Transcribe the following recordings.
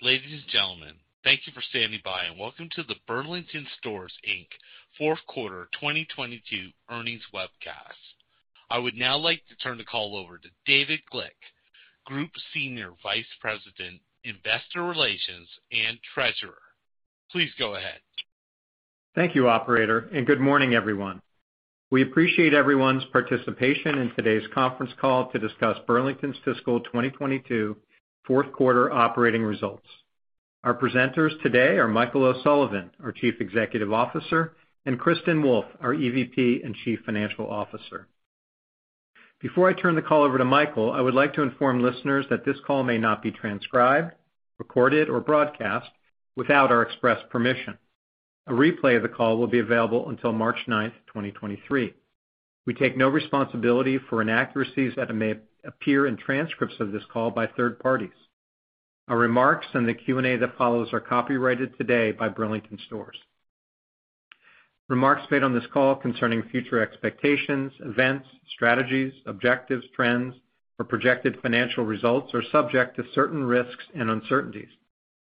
Ladies and gentlemen, thank you for standing by, welcome to the Burlington Stores, Inc Fourth Quarter 2022 Earnings Webcast. I would now like to turn the call over to David Glick, Group Senior Vice President, Investor Relations and Treasurer. Please go ahead. Thank you, operator. Good morning, everyone. We appreciate everyone's participation in today's conference call to discuss Burlington's fiscal 2022 fourth quarter operating results. Our presenters today are Michael O'Sullivan, our Chief Executive Officer, and Kristin Wolfe, our EVP and Chief Financial Officer. Before I turn the call over to Michael, I would like to inform listeners that this call may not be transcribed, recorded, or broadcast without our express permission. A replay of the call will be available until March 9, 2023. We take no responsibility for inaccuracies that may appear in transcripts of this call by third parties. Our remarks in the Q&A that follows are copyrighted today by Burlington Stores. Remarks made on this call concerning future expectations, events, strategies, objectives, trends, or projected financial results are subject to certain risks and uncertainties.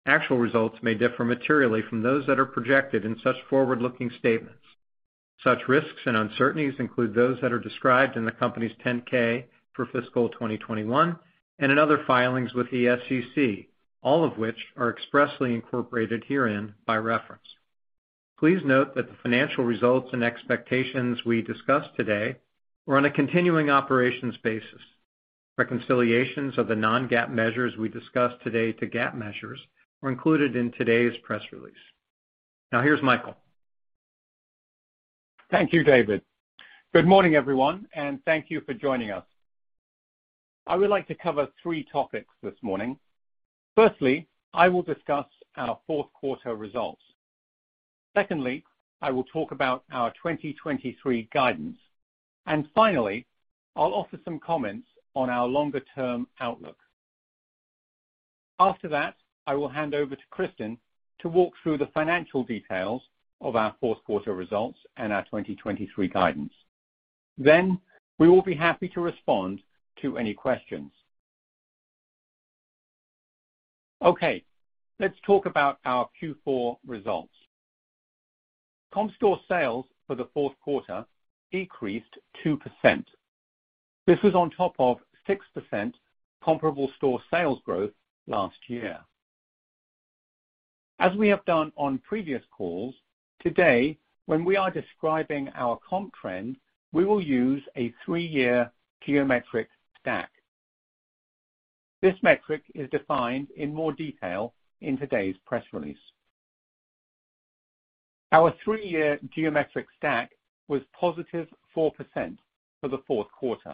Actual results may differ materially from those that are projected in such forward-looking statements. Such risks and uncertainties include those that are described in the company's 10-K for fiscal 2021 and in other filings with the SEC, all of which are expressly incorporated herein by reference. Please note that the financial results and expectations we discuss today were on a continuing operations basis. Reconciliations of the non-GAAP measures we discuss today to GAAP measures are included in today's press release. Now here's Michael. Thank you, David. Good morning, everyone, and thank you for joining us. I would like to cover three topics this morning. Firstly, I will discuss our fourth quarter results. Secondly, I will talk about our 2023 guidance. Finally, I'll offer some comments on our longer-term outlook. After that, I will hand over to Kristin to walk through the financial details of our fourth quarter results and our 2023 guidance. We will be happy to respond to any questions. Okay, let's talk about our Q4 results. Comp store sales for the fourth quarter decreased 2%. This was on top of 6% comparable store sales growth last year. As we have done on previous calls, today when we are describing our comp trend, we will use a three-year geometric stack. This metric is defined in more detail in today's press release. Our three year geometric stack was positive 4% for the fourth quarter.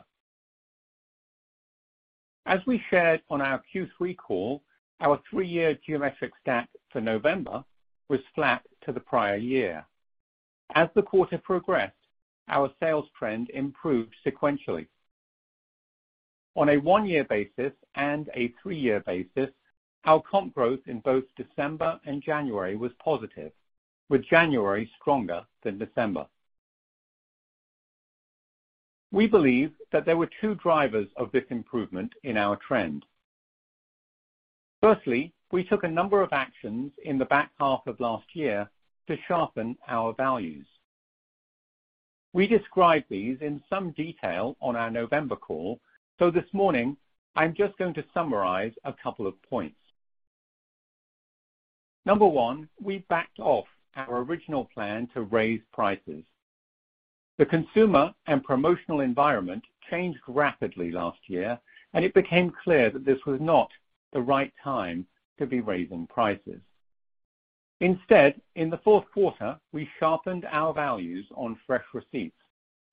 We shared on our Q3 call, our three year geometric stack for November was flat to the prior year. The quarter progressed, our sales trend improved sequentially. On a one year basis and a three year basis, our comp growth in both December and January was positive, with January stronger than December. We believe that there were two drivers of this improvement in our trend. Firstly, we took a number of actions in the back half of last year to sharpen our values. We described these in some detail on our November call. This morning I'm just going to summarize a couple of points. Number one, we backed off our original plan to raise prices. The consumer and promotional environment changed rapidly last year, and it became clear that this was not the right time to be raising prices. Instead, in the fourth quarter, we sharpened our values on fresh receipts,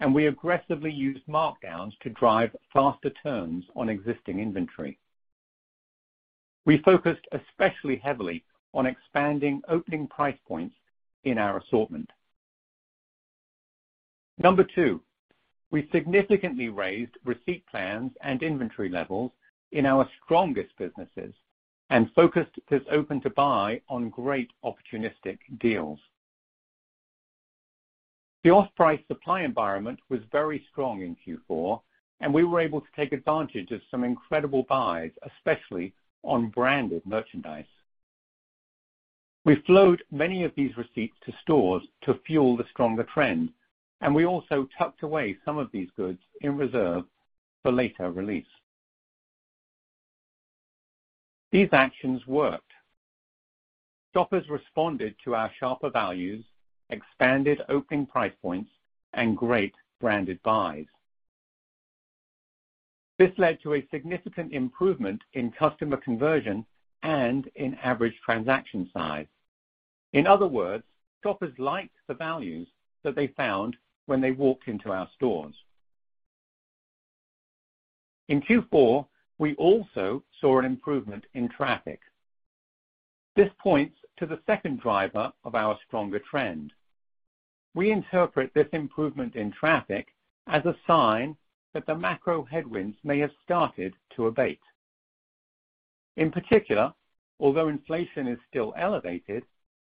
and we aggressively used markdowns to drive faster turns on existing inventory. We focused especially heavily on expanding opening price points in our assortment. Number 2, we significantly raised receipt plans and inventory levels in our strongest businesses and focused this open to buy on great opportunistic deals. The off-price supply environment was very strong in Q4, and we were able to take advantage of some incredible buys, especially on branded merchandise. We flowed many of these receipts to stores to fuel the stronger trend, and we also tucked away some of these goods in reserve for later release. These actions worked. Shoppers responded to our sharper values, expanded opening price points, and great branded buys. This led to a significant improvement in customer conversion and in average transaction size. In other words, shoppers liked the values that they found when they walked into our stores. In Q4, we also saw an improvement in traffic. This points to the second driver of our stronger trend. We interpret this improvement in traffic as a sign that the macro headwinds may have started to abate. In particular, although inflation is still elevated,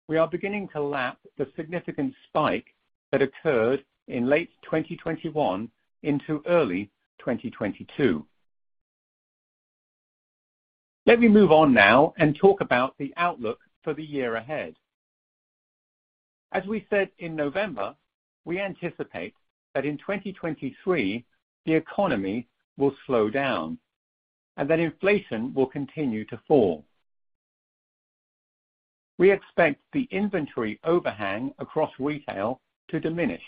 we are beginning to lap the significant spike that occurred in late 2021 into early 2022. Let me move on now and talk about the outlook for the year ahead. As we said in November, we anticipate that in 2023 the economy will slow down and that inflation will continue to fall. We expect the inventory overhang across retail to diminish,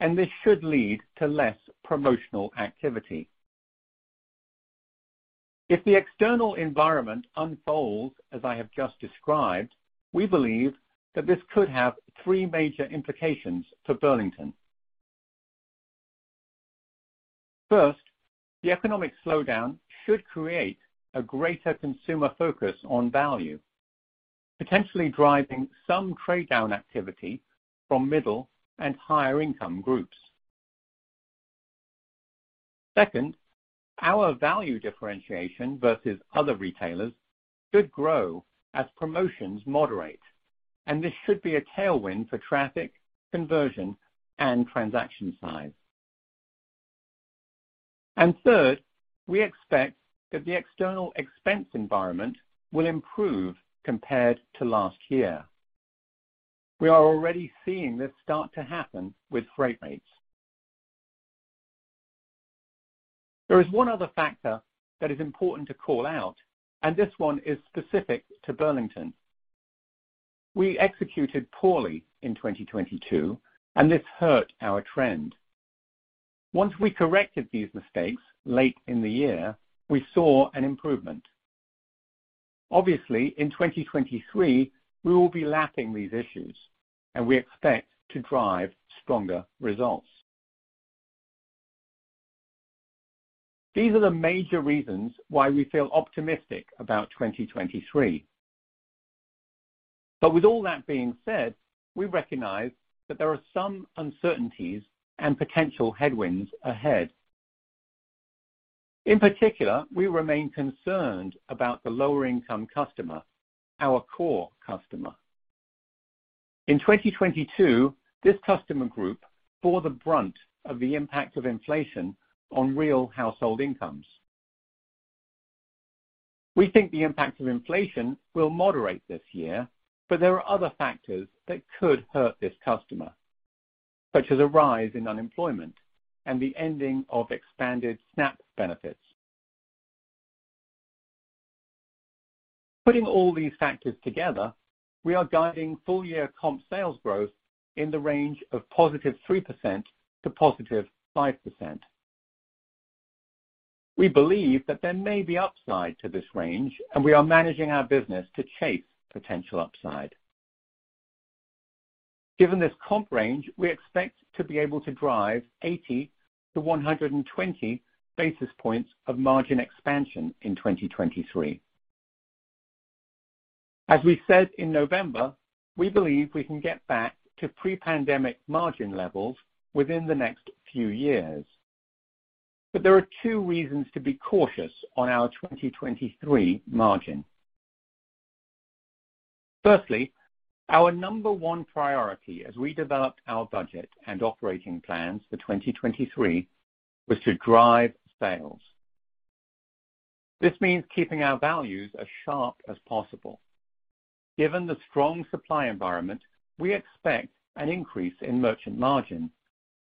and this should lead to less promotional activity. If the external environment unfolds as I have just described, we believe that this could have three major implications for Burlington. First, the economic slowdown should create a greater consumer focus on value, potentially driving some trade-down activity from middle and higher income groups. Second, our value differentiation versus other retailers should grow as promotions moderate, and this should be a tailwind for traffic, conversion, and transaction size. Third, we expect that the external expense environment will improve compared to last year. We are already seeing this start to happen with freight rates. There is one other factor that is important to call out, and this one is specific to Burlington. We executed poorly in 2022, and this hurt our trend. Once we corrected these mistakes late in the year, we saw an improvement. Obviously, in 2023 we will be lapping these issues, and we expect to drive stronger results. These are the major reasons why we feel optimistic about 2023. With all that being said, we recognize that there are some uncertainties and potential headwinds ahead. In particular, we remain concerned about the lower income customer, our core customer. In 2022, this customer group bore the brunt of the impact of inflation on real household incomes. We think the impact of inflation will moderate this year, but there are other factors that could hurt this customer, such as a rise in unemployment and the ending of expanded SNAP benefits. Putting all these factors together, we are guiding full year comp sales growth in the range of +3% to +5%. We believe that there may be upside to this range and we are managing our business to chase potential upside. Given this comp range, we expect to be able to drive 80-120 basis points of margin expansion in 2023. As we said in November, we believe we can get back to pre-pandemic margin levels within the next few years. There are two reasons to be cautious on our 2023 margin. Firstly, our number one priority as we developed our budget and operating plans for 2023 was to drive sales. This means keeping our values as sharp as possible. Given the strong supply environment, we expect an increase in merchandise margin,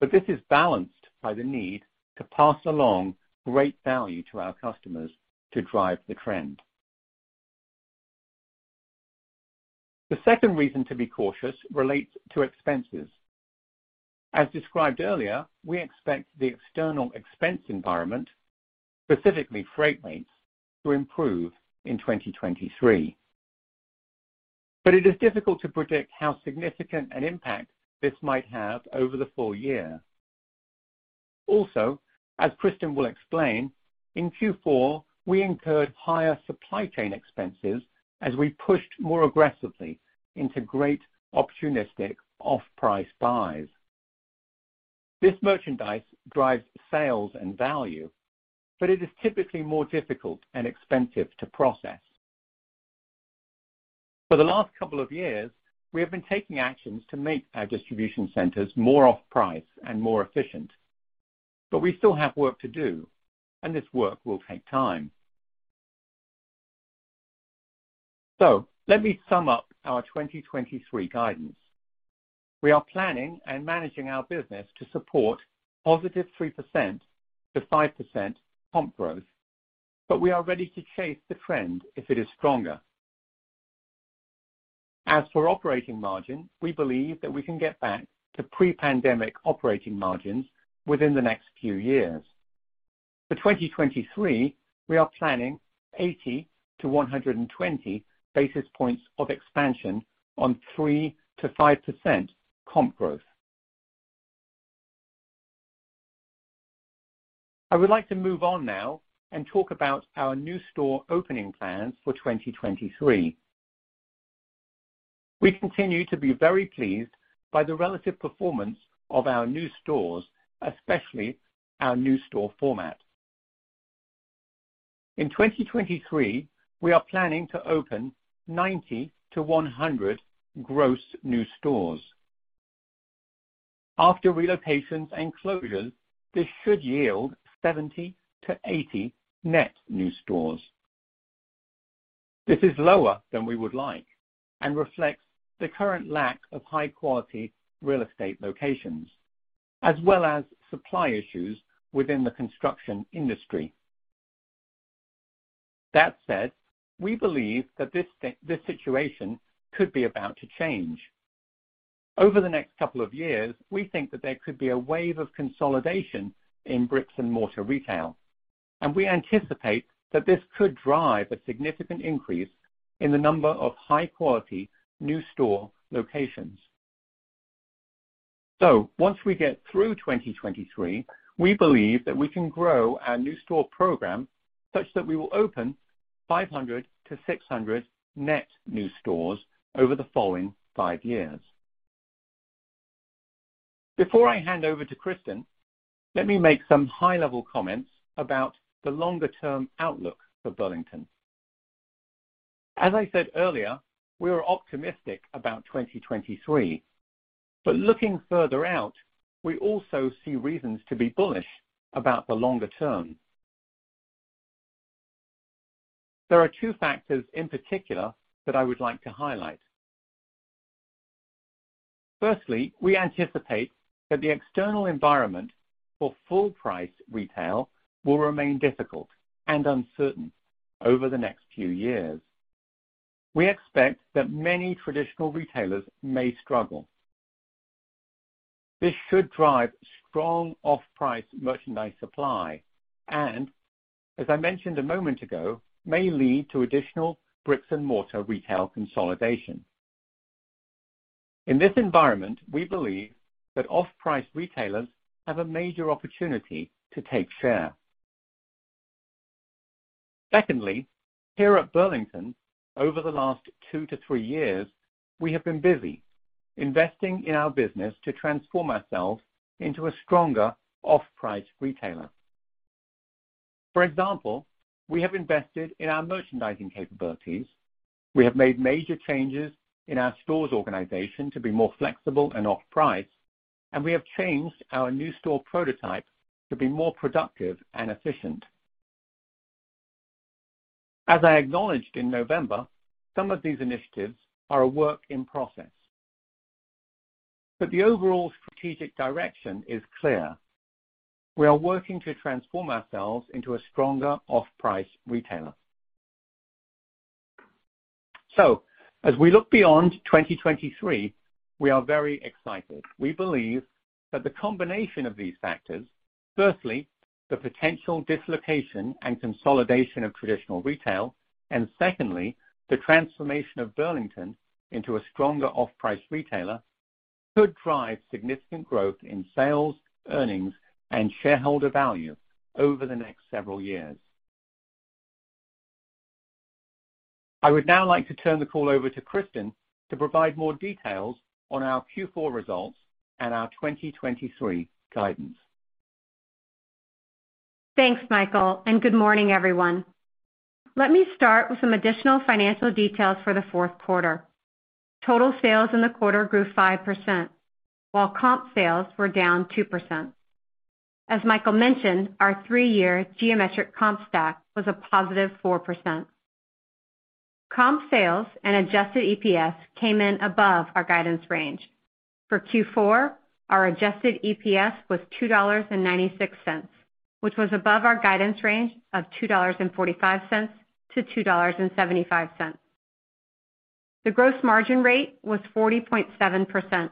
but this is balanced by the need to pass along great value to our customers to drive the trend. The second reason to be cautious relates to expenses. As described earlier, we expect the external expense environment, specifically freight rates, to improve in 2023. It is difficult to predict how significant an impact this might have over the full year. Also, as Kristin will explain, in Q4, we incurred higher supply chain expenses as we pushed more aggressively into great opportunistic off-price buys. This merchandise drives sales and value, it is typically more difficult and expensive to process. For the last couple of years, we have been taking actions to make our distribution centers more off-price and more efficient, we still have work to do, and this work will take time. Let me sum up our 2023 guidance. We are planning and managing our business to support positive 3%-5% comp growth, we are ready to chase the trend if it is stronger. As for operating margin, we believe that we can get back to pre-pandemic operating margins within the next few years. For 2023, we are planning 80-120 basis points of expansion on 3%-5% comp growth. I would like to move on now and talk about our new store opening plans for 2023. We continue to be very pleased by the relative performance of our new stores, especially our new store format. In 2023, we are planning to open 90-100 gross new stores. After relocations and closures, this should yield 70-80 net new stores. This is lower than we would like and reflects the current lack of high quality real estate locations, as well as supply issues within the construction industry. That said, we believe that this situation could be about to change. Over the next couple of years, we think that there could be a wave of consolidation in bricks and mortar retail, and we anticipate that this could drive a significant increase in the number of high quality new store locations. Once we get through 2023, we believe that we can grow our new store program such that we will open 500-600 net new stores over the following five years. Before I hand over to Kristin, let me make some high-level comments about the longer term outlook for Burlington. As I said earlier, we are optimistic about 2023. Looking further out, we also see reasons to be bullish about the longer term. There are two factors in particular that I would like to highlight. Firstly, we anticipate that the external environment for full price retail will remain difficult and uncertain over the next few years. We expect that many traditional retailers may struggle. This should drive strong off-price merchandise supply and, as I mentioned a moment ago, may lead to additional bricks and mortar retail consolidation. In this environment, we believe that off-price retailers have a major opportunity to take share. Secondly, here at Burlington, over the last two to three years, we have been busy investing in our business to transform ourselves into a stronger off-price retailer. For example, we have invested in our merchandising capabilities, we have made major changes in our stores organization to be more flexible and off-price, and we have changed our new store prototype to be more productive and efficient. As I acknowledged in November, some of these initiatives are a work in process. The overall strategic direction is clear. We are working to transform ourselves into a stronger off-price retailer. As we look beyond 2023, we are very excited. We believe that the combination of these factors, firstly, the potential dislocation and consolidation of traditional retail, and secondly, the transformation of Burlington into a stronger off-price retailer, could drive significant growth in sales, earnings, and shareholder value over the next several years. I would now like to turn the call over to Kristin to provide more details on our Q4 results and our 2023 guidance. Thanks, Michael, and good morning, everyone. Let me start with some additional financial details for the fourth quarter. Total sales in the quarter grew 5%, while comp sales were down 2%. As Michael mentioned, our three-year geometric comp stack was a positive 4%. Comp sales and adjusted EPS came in above our guidance range. For Q4, our adjusted EPS was $2.96, which was above our guidance range of $2.45-$2.75. The gross margin rate was 40.7%,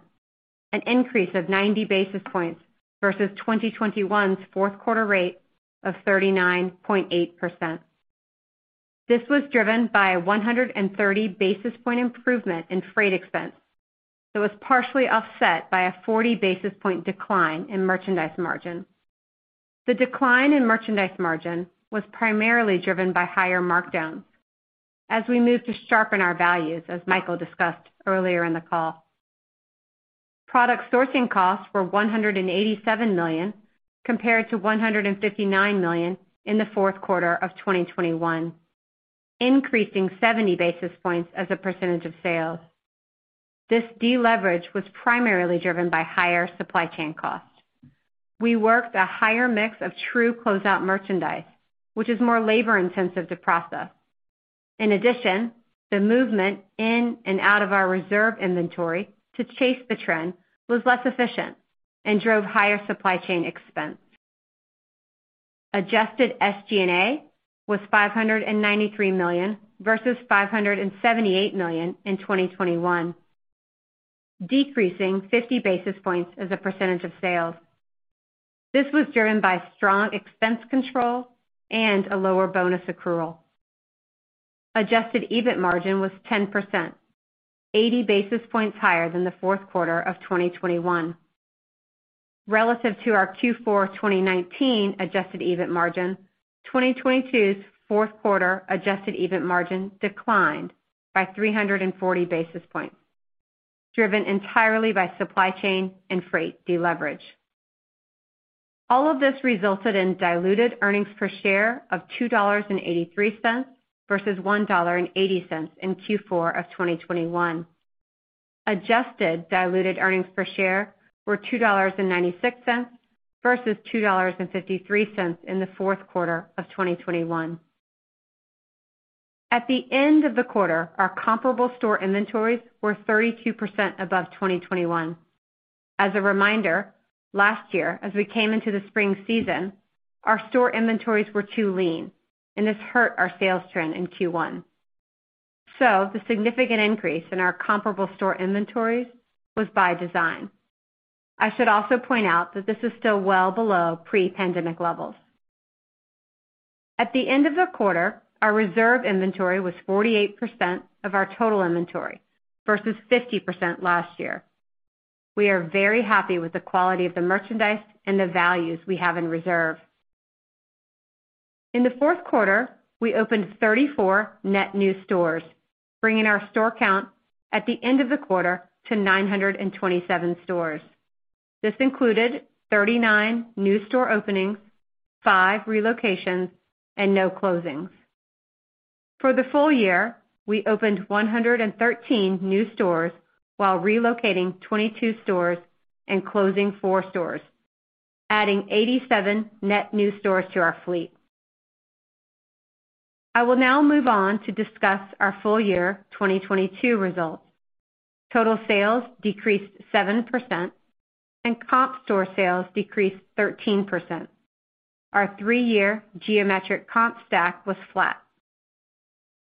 an increase of 90 basis points versus 2021's fourth quarter rate of 39.8%. This was driven by a 130 basis point improvement in freight expense that was partially offset by a 40 basis point decline in merchandise margin. The decline in merchandise margin was primarily driven by higher markdowns as we move to sharpen our values, as Michael discussed earlier in the call. product sourcing costs were $187 million, compared to $159 million in the fourth quarter of 2021, increasing 70 basis points as a percentage of sales. This deleverage was primarily driven by higher supply chain costs. We worked a higher mix of true closeout merchandise, which is more labor-intensive to process. In addition, the movement in and out of our reserve inventory to chase the trend was less efficient and drove higher supply chain expense. adjusted SG&A was $593 million, versus $578 million in 2021, decreasing 50 basis points as a percentage of sales. This was driven by strong expense control and a lower bonus accrual. Adjusted EBIT margin was 10%, 80 basis points higher than the fourth quarter of 2021. Relative to our Q4 2019 adjusted EBIT margin, 2022's fourth quarter adjusted EBIT margin declined by 340 basis points. Driven entirely by supply chain and freight deleverage. All of this resulted in diluted earnings per share of $2.83 versus $1.80 in Q4 of 2021. Adjusted diluted earnings per share were $2.96 versus $2.53 in the fourth quarter of 2021. At the end of the quarter, our comparable store inventories were 32% above 2021. As a reminder, last year, as we came into the spring season, our store inventories were too lean, and this hurt our sales trend in Q1. The significant increase in our comparable store inventories was by design. I should also point out that this is still well below pre-pandemic levels. At the end of the quarter, our reserve inventory was 48% of our total inventory, versus 50% last year. We are very happy with the quality of the merchandise and the values we have in reserve. In the fourth quarter, we opened 34 net new stores, bringing our store count at the end of the quarter to 927 stores. This included 39 new store openings, five relocations, and no closings. For the full year, we opened 113 new stores while relocating 22 stores and closing four stores, adding 87 net new stores to our fleet. I will now move on to discuss our full year 2022 results. Total sales decreased 7% and comp store sales decreased 13%. Our three-year geometric comp stack was flat.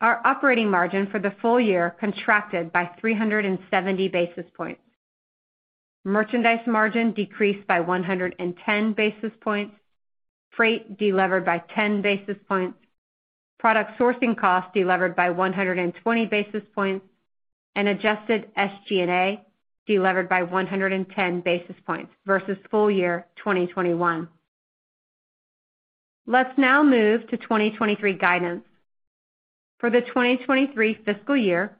Our operating margin for the full year contracted by 370 basis points. Merchandise margin decreased by 110 basis points, freight delevered by 10 basis points, product sourcing costs delevered by 120 basis points, and adjusted SG&A delevered by 110 basis points versus full year 2021. Let's now move to 2023 guidance. For the 2023 fiscal year,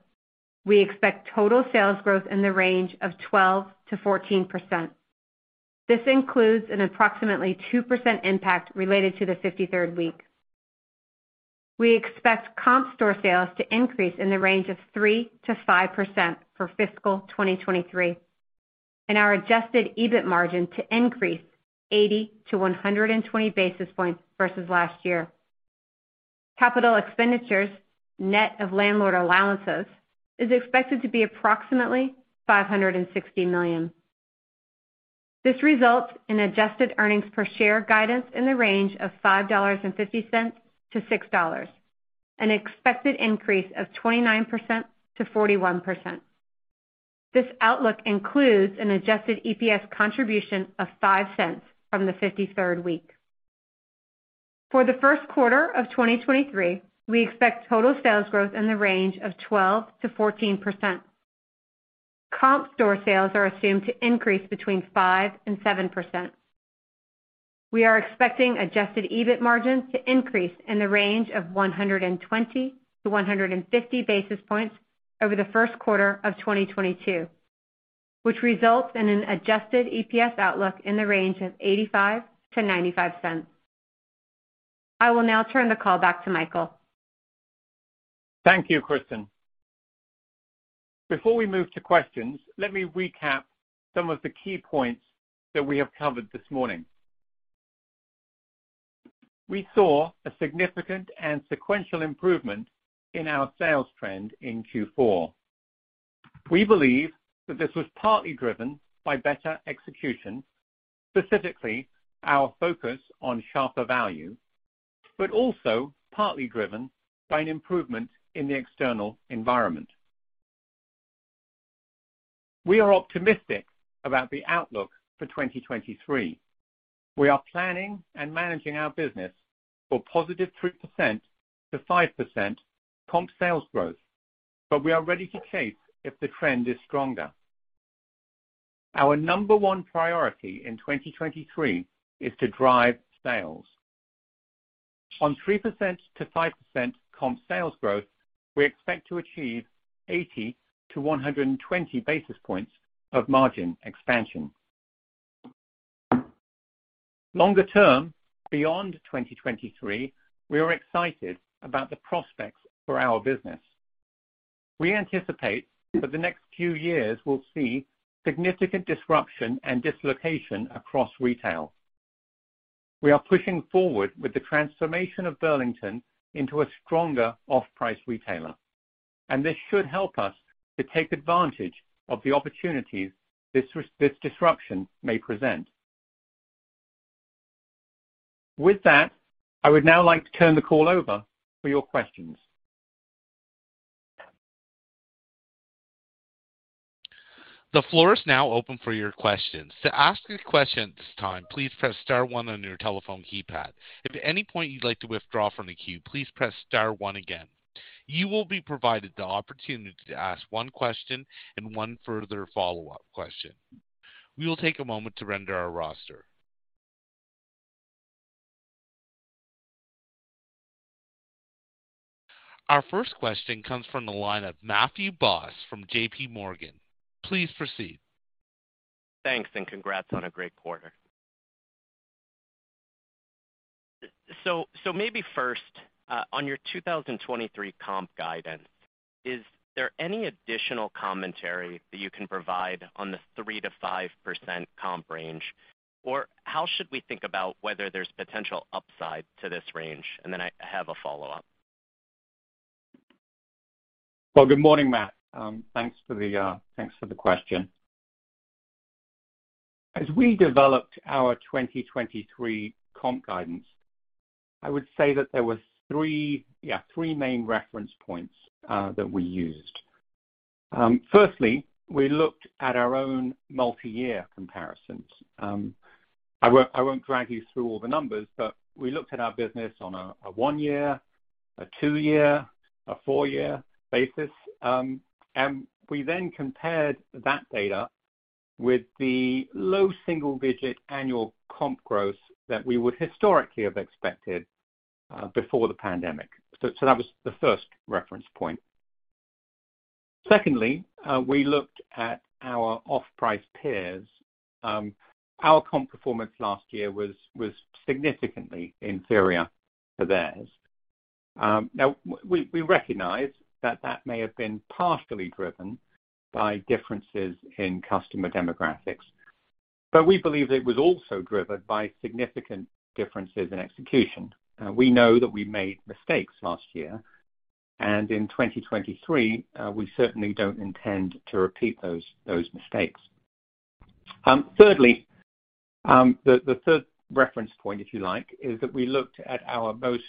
we expect total sales growth in the range of 12%-14%. This includes an approximately 2% impact related to the fifty-third week. We expect comp store sales to increase in the range of 3%-5% for fiscal 2023, and our adjusted EBIT margin to increase 80-120 basis points versus last year. Capital expenditures, net of landlord allowances, is expected to be approximately $560 million. This results in adjusted earnings per share guidance in the range of $5.50-$6.00, an expected increase of 29%-41%. This outlook includes an adjusted EPS contribution of $0.05 from the fifty-third week. For the first quarter of 2023, we expect total sales growth in the range of 12%-14%. Comp store sales are assumed to increase between 5% and 7%. We are expecting adjusted EBIT margin to increase in the range of 120 to 150 basis points over the first quarter of 2022, which results in an adjusted EPS outlook in the range of $0.85 to $0.95. I will now turn the call back to Michael. Thank you, Kristin. Before we move to questions, let me recap some of the key points that we have covered this morning. We saw a significant and sequential improvement in our sales trend in Q4. We believe that this was partly driven by better execution, specifically our focus on sharper value, but also partly driven by an improvement in the external environment. We are optimistic about the outlook for 2023. We are planning and managing our business for positive 3%-5% comp sales growth, but we are ready to chase if the trend is stronger. Our number one priority in 2023 is to drive sales. On 3%-5% comp sales growth, we expect to achieve 80 to 120 basis points of margin expansion. Longer term, beyond 2023, we are excited about the prospects for our business. We anticipate that the next few years will see significant disruption and dislocation across retail. We are pushing forward with the transformation of Burlington into a stronger off-price retailer, and this should help us to take advantage of the opportunities this disruption may present. With that, I would now like to turn the call over for your questions. The floor is now open for your questions. To ask a question at this time, please press star one on your telephone keypad. If at any point you'd like to withdraw from the queue, please press star one again. You will be provided the opportunity to ask one question and one further follow-up question. We will take a moment to render our roster. Our first question comes from the line of Matthew Boss from JPMorgan. Please proceed. Thanks and congrats on a great quarter. Maybe first, on your 2023 comp guidance, is there any additional commentary that you can provide on the 3%-5% comp range? How should we think about whether there's potential upside to this range? Then I have a follow-up. Well, good morning, Matt. Thanks for the question. As we developed our 2023 comp guidance, I would say that there were three main reference points that we used. Firstly, we looked at our own multi-year comparisons. I won't drag you through all the numbers, but we looked at our business on a one-year, a two-year, a four-year basis. We then compared that data with the low single-digit annual comp growth that we would historically have expected before the pandemic. That was the first reference point. Secondly, we looked at our off-price peers. Our comp performance last year was significantly inferior to theirs. Now we recognize that that may have been partially driven by differences in customer demographics, but we believe it was also driven by significant differences in execution. We know that we made mistakes last year, and in 2023, we certainly don't intend to repeat those mistakes. Thirdly, the third reference point, if you like, is that we looked at our most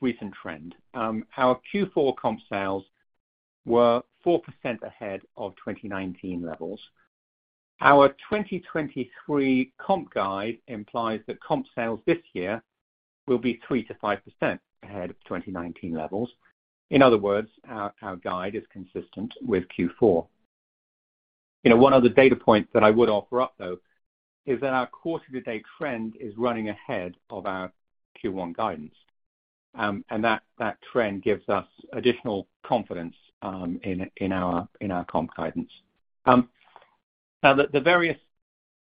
recent trend. Our Q4 comp sales were 4% ahead of 2019 levels. Our 2023 comp guide implies that comp sales this year will be 3%-5% ahead of 2019 levels. In other words, our guide is consistent with Q4. You know, one other data point that I would offer up, though, is that our quarter-to-date trend is running ahead of our Q1 guidance. And that trend gives us additional confidence in our comp guidance. Now the various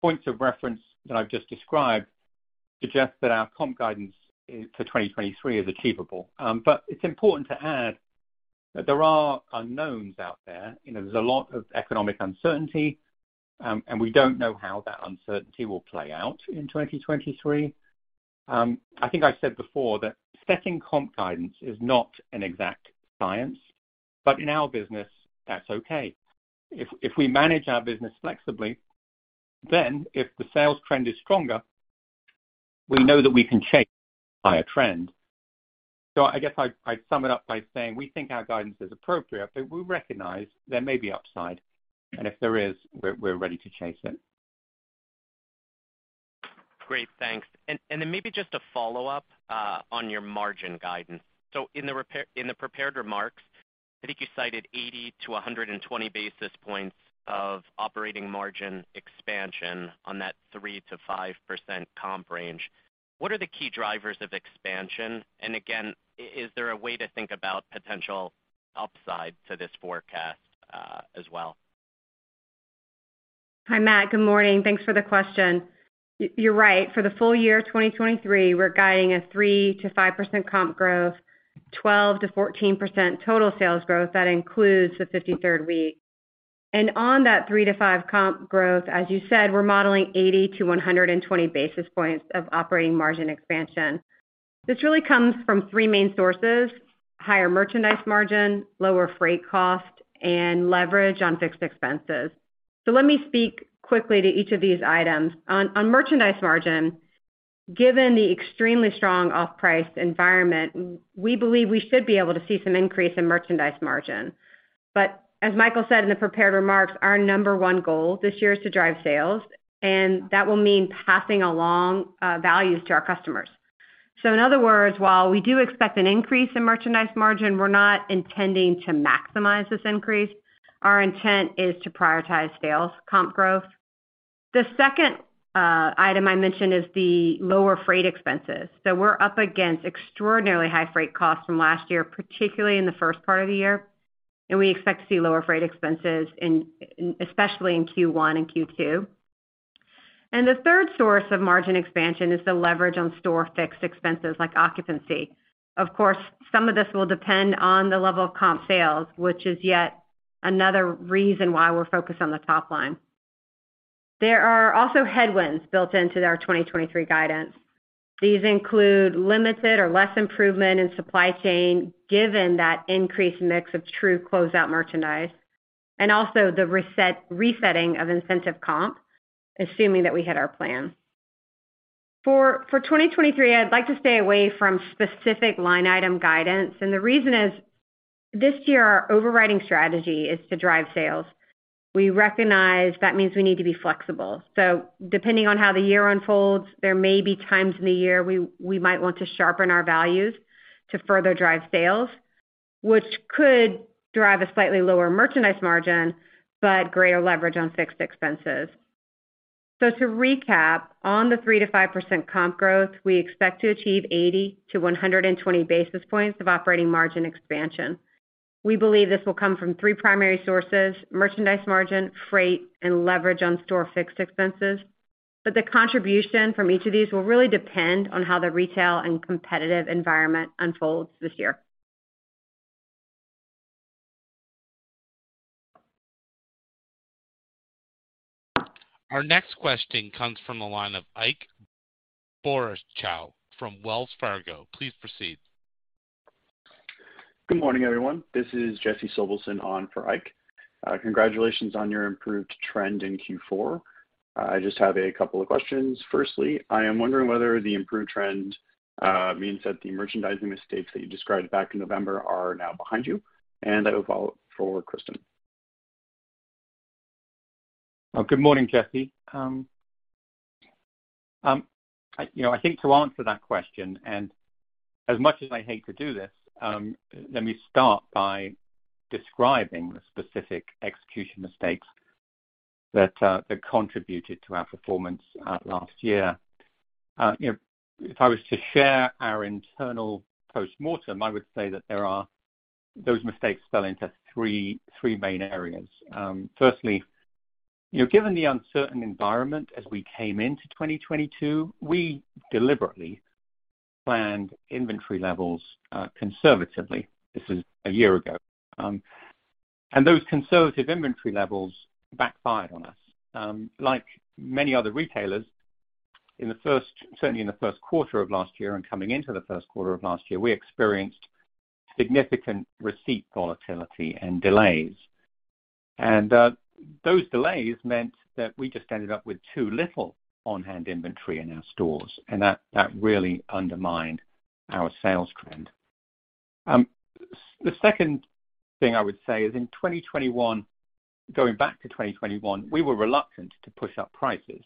points of reference that I've just described suggest that our comp guidance for 2023 is achievable. But it's important to add that there are unknowns out there. You know, there's a lot of economic uncertainty, and we don't know how that uncertainty will play out in 2023. I think I said before that setting comp guidance is not an exact science, but in our business, that's okay. If we manage our business flexibly, then if the sales trend is stronger, we know that we can chase a higher trend. I guess I'd sum it up by saying, we think our guidance is appropriate, but we recognize there may be upside. If there is, we're ready to chase it. Great, thanks. Then maybe just a follow-up on your margin guidance. In the prepared remarks, I think you cited 80 to 120 basis points of operating margin expansion on that 3%-5% comp range. What are the key drivers of expansion? Again, is there a way to think about potential upside to this forecast as well? Hi, Matt. Good morning. Thanks for the question. You're right. For the full year 2023, we're guiding a 3%-5% comp growth, 12%-14% total sales growth, that includes the fifty-third week. On that 3%-5% comp growth, as you said, we're modeling 80 to 120 basis points of operating margin expansion. This really comes from three main sources: higher merchandise margin, lower freight cost, and leverage on fixed expenses. Let me speak quickly to each of these items. On merchandise margin, given the extremely strong off-price environment, we believe we should be able to see some increase in merchandise margin. As Michael O'Sullivan said in the prepared remarks, our number one goal this year is to drive sales, and that will mean passing along values to our customers. In other words, while we do expect an increase in merchandise margin, we're not intending to maximize this increase. Our intent is to prioritize sales comp growth. The second item I mentioned is the lower freight expenses. We're up against extraordinarily high freight costs from last year, particularly in the first part of the year, and we expect to see lower freight expenses in especially in Q1 and Q2. The third source of margin expansion is the leverage on store fixed expenses like occupancy. Of course, some of this will depend on the level of comp sales, which is yet another reason why we're focused on the top line. There are also headwinds built into our 2023 guidance. These include limited or less improvement in supply chain given that increased mix of true closeout merchandise, and also the resetting of incentive comp, assuming that we hit our plan. For 2023, I'd like to stay away from specific line item guidance. The reason is this year, our overriding strategy is to drive sales. We recognize that means we need to be flexible. Depending on how the year unfolds, there may be times in the year we might want to sharpen our values to further drive sales, which could drive a slightly lower merchandise margin, but greater leverage on fixed expenses. To recap, on the 3%-5% comp growth, we expect to achieve 80 to 120 basis points of operating margin expansion. We believe this will come from three primary sources merchandise margin, freight, and leverage on store fixed expenses. The contribution from each of these will really depend on how the retail and competitive environment unfolds this year. Our next question comes from the line of Ike Boruchow from Wells Fargo. Please proceed. Good morning, everyone. This is Jesse Silverson on for Ike. Congratulations on your improved trend in Q4. I just have a couple of questions. Firstly, I am wondering whether the improved trend means that the merchandising mistakes that you described back in November are now behind you. That will follow for Kristin. Good morning, Jesse. You know, I think to answer that question, and as much as I hate to do this, let me start by describing the specific execution mistakes that contributed to our performance last year. You know, if I was to share our internal postmortem, I would say that Those mistakes fell into three main areas. Firstly, you know, given the uncertain environment as we came into 2022, we deliberately planned inventory levels conservatively. This is a year ago. Those conservative inventory levels backfired on us. Like many other retailers certainly in the first quarter of last year and coming into the first quarter of last year, we experienced significant receipt volatility and delays. Those delays meant that we just ended up with too little on-hand inventory in our stores, and that really undermined our sales trend. The second thing I would say is in 2021, going back to 2021, we were reluctant to push up prices.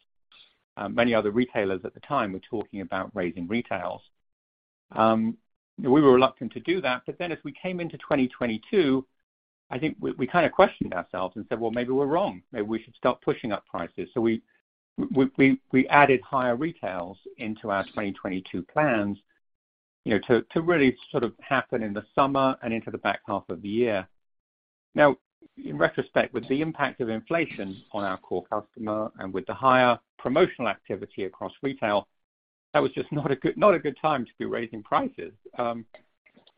Many other retailers at the time were talking about raising retails. We were reluctant to do that. As we came into 2022, I think we kind of questioned ourselves and said, "Well, maybe we're wrong. Maybe we should start pushing up prices." We added higher retails into our 2022 plans, you know, to really sort of happen in the summer and into the back half of the year. In retrospect, with the impact of inflation on our core customer and with the higher promotional activity across retail, that was just not a good time to be raising prices.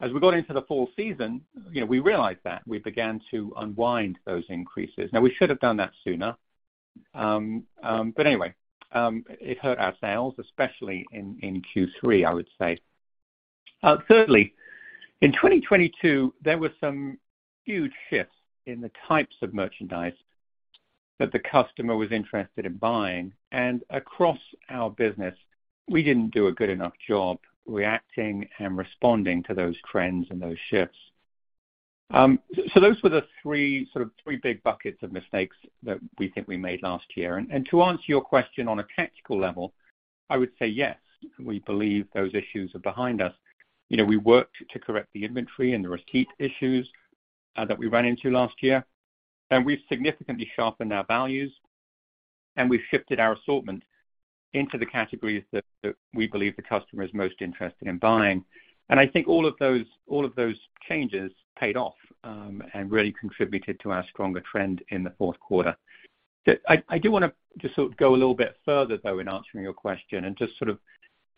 As we got into the fall season, you know, we realized that. We began to unwind those increases. We should have done that sooner. It hurt our sales, especially in Q3, I would say. Thirdly, in 2022, there were some huge shifts in the types of merchandise that the customer was interested in buying. Across our business, we didn't do a good enough job reacting and responding to those trends and those shifts. Those were the three big buckets of mistakes that we think we made last year. To answer your question on a tactical level, I would say yes, we believe those issues are behind us. You know, we worked to correct the inventory and the receipt issues that we ran into last year, and we've significantly sharpened our values, and we've shifted our assortment into the categories that we believe the customer is most interested in buying. I think all of those changes paid off and really contributed to our stronger trend in the fourth quarter. I do wanna just sort of go a little bit further, though, in answering your question and just sort of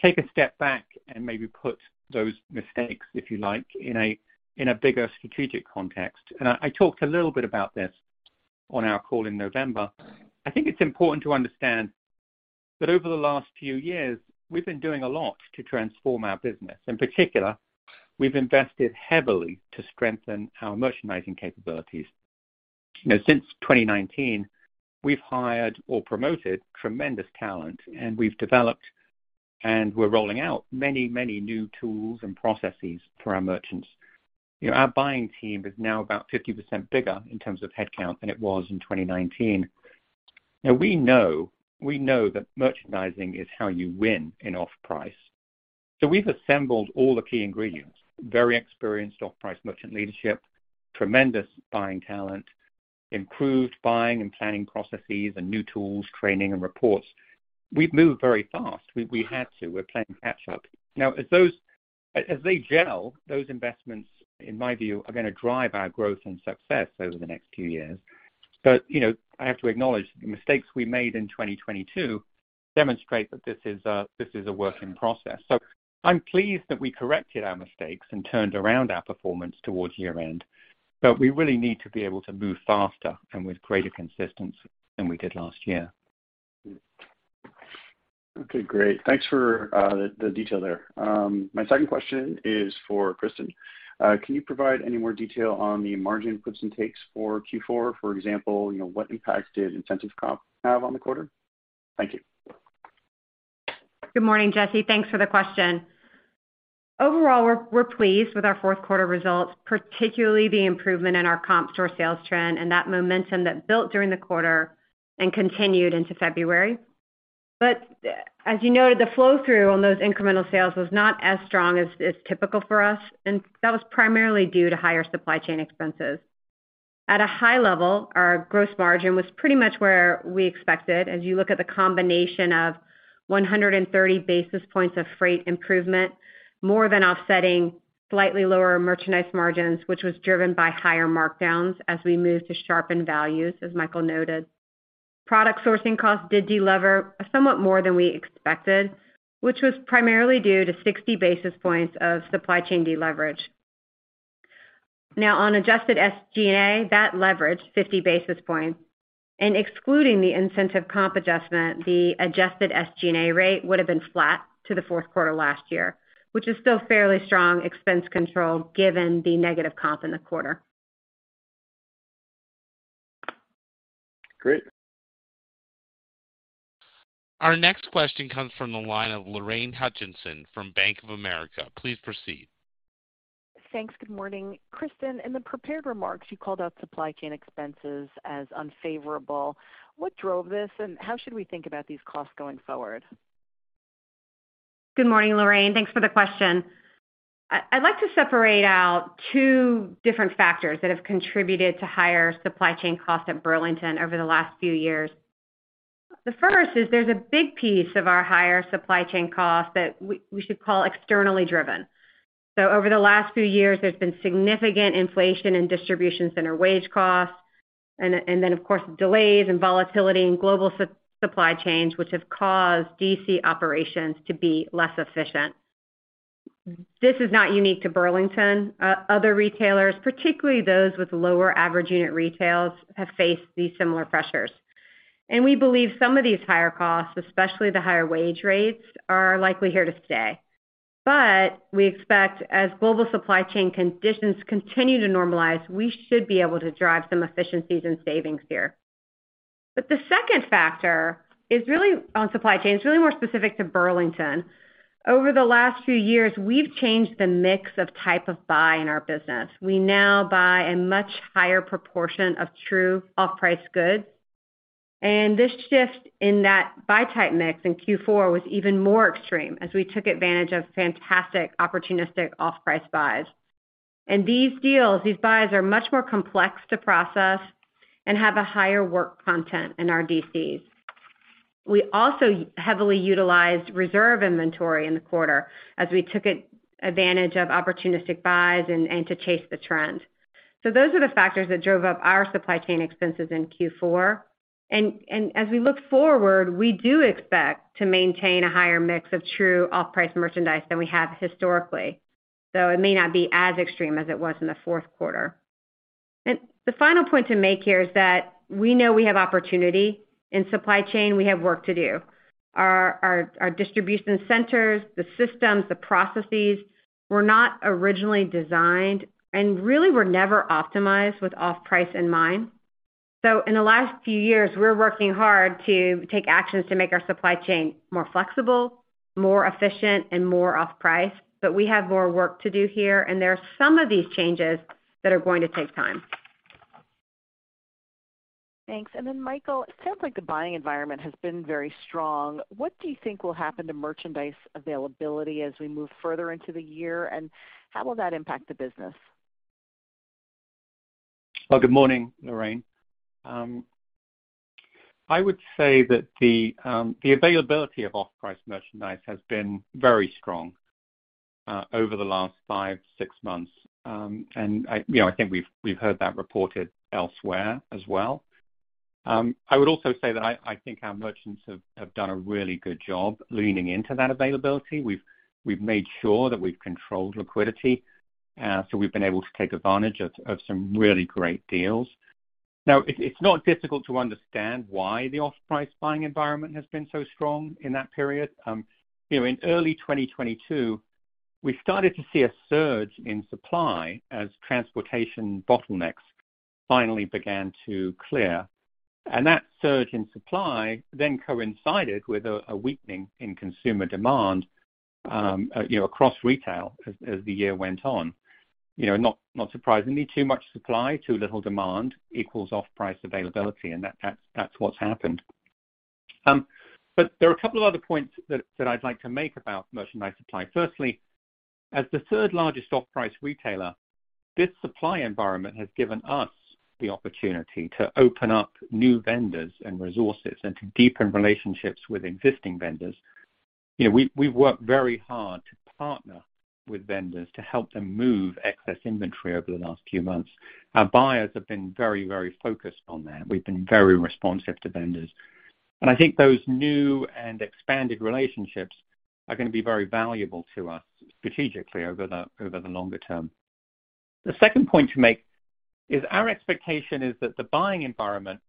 take a step back and maybe put those mistakes, if you like, in a bigger strategic context. I talked a little bit about this on our call in November. I think it's important to understand that over the last few years, we've been doing a lot to transform our business. In particular, we've invested heavily to strengthen our merchandising capabilities. You know, since 2019, we've hired or promoted tremendous talent, and we've developed and we're rolling out many, many new tools and processes for our merchants. You know, our buying team is now about 50% bigger in terms of headcount than it was in 2019. We know that merchandising is how you win in off-price. We've assembled all the key ingredients, very experienced off-price merchant leadership, tremendous buying talent, improved buying and planning processes, and new tools, training, and reports. We've moved very fast. We had to. We're playing catch up. Now as they gel, those investments, in my view, are gonna drive our growth and success over the next few years. You know, I have to acknowledge the mistakes we made in 2022 demonstrate that this is a work in process. I'm pleased that we corrected our mistakes and turned around our performance towards year-end. We really need to be able to move faster and with greater consistency than we did last year. Okay, great. Thanks for the detail there. My second question is for Kristin. Can you provide any more detail on the margin clips and takes for Q4? For example, you know, what impact did incentive comp have on the quarter? Thank you. Good morning, Jesse. Thanks for the question. Overall, we're pleased with our fourth quarter results, particularly the improvement in our comp store sales trend and that momentum that built during the quarter and continued into February. As you noted, the flow-through on those incremental sales was not as strong as is typical for us, and that was primarily due to higher supply chain expenses. At a high level, our gross margin was pretty much where we expected. As you look at the combination of 130 basis points of freight improvement, more than offsetting slightly lower merchandise margins, which was driven by higher markdowns as we move to sharpen values, as Michael noted. Product sourcing costs did deliver somewhat more than we expected, which was primarily due to 60 basis points of supply chain deleverage. On adjusted SG&A, that leveraged 50 basis points and excluding the incentive comp adjustment, the adjusted SG&A rate would have been flat to the fourth quarter last year, which is still fairly strong expense control given the negative comp in the quarter. Great. Our next question comes from the line of Lorraine Hutchinson from Bank of America. Please proceed. Thanks. Good morning. Kristin, in the prepared remarks, you called out supply chain expenses as unfavorable. What drove this, and how should we think about these costs going forward? Good morning, Lorraine. Thanks for the question. I'd like to separate out two different factors that have contributed to higher supply chain costs at Burlington over the last few years. The first is there's a big piece of our higher supply chain costs that we should call externally driven. Over the last few years, there's been significant inflation in distribution center wage costs and, then, of course, delays and volatility in global supply chains, which have caused DC operations to be less efficient. This is not unique to Burlington. Other retailers, particularly those with lower average unit retails, have faced these similar pressures. We believe some of these higher costs, especially the higher wage rates, are likely here to stay. We expect, as global supply chain conditions continue to normalize, we should be able to drive some efficiencies and savings here. The second factor is really on supply chain. It's really more specific to Burlington. Over the last few years, we've changed the mix of type of buy in our business. We now buy a much higher proportion of true off-price goods. This shift in that buy type mix in Q4 was even more extreme as we took advantage of fantastic opportunistic off-price buys. These deals, these buys are much more complex to process and have a higher work content in our DCs. We also heavily utilized reserve inventory in the quarter as we took advantage of opportunistic buys and to chase the trend. Those are the factors that drove up our supply chain expenses in Q4. As we look forward, we do expect to maintain a higher mix of true off-price merchandise than we have historically, though it may not be as extreme as it was in the fourth quarter. The final point to make here is that we know we have opportunity. In supply chain, we have work to do. Our distribution centers, the systems, the processes were not originally designed and really were never optimized with off-price in mind. In the last few years, we're working hard to take actions to make our supply chain more flexible, more efficient, and more off-price. We have more work to do here, and there are some of these changes that are going to take time. Thanks. Michael, it sounds like the buying environment has been very strong. What do you think will happen to merchandise availability as we move further into the year, and how will that impact the business? Well, good morning, Lorraine. I would say that the availability of off-price merchandise has been very strong over the last five, six months. You know, I think we've heard that reported elsewhere as well. I would also say that I think our merchants have done a really good job leaning into that availability. We've made sure that we've controlled liquidity, so we've been able to take advantage of some really great deals. It's not difficult to understand why the off-price buying environment has been so strong in that period. You know, in early 2022, we started to see a surge in supply as transportation bottlenecks finally began to clear. That surge in supply then coincided with a weakening in consumer demand, you know, across retail as the year went on. You know, not surprisingly, too much supply, too little demand equals off-price availability, and that's what's happened. There are a couple of other points that I'd like to make about merchandise supply. Firstly, as the third-largest off-price retailer, this supply environment has given us the opportunity to open up new vendors and resources and to deepen relationships with existing vendors. You know, we've worked very hard to partner with vendors to help them move excess inventory over the last few months. Our buyers have been very focused on that. We've been very responsive to vendors. I think those new and expanded relationships are gonna be very valuable to us strategically over the longer term. The second point to make is our expectation is that the buying environment